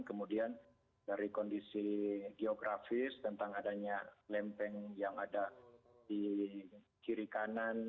kemudian dari kondisi geografis tentang adanya lempeng yang ada di kiri kanan